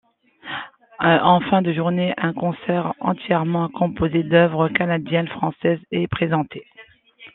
En fin de journée, un concert entièrement composé d’œuvres canadiennes-françaises est présenté.